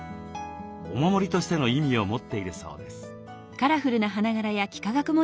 お守りとしての意味を持っているそうです。